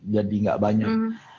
jadi ga banyak